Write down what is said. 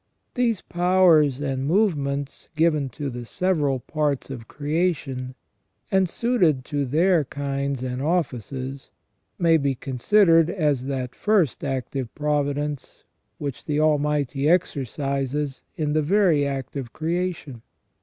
These powers and movements given to the several parts of creation, and suited to their kinds and offices, may be considered as that first active providence which the 1 06 CREA TION AND PR O VIDE NCR. Almighty exercises in the very act of creation.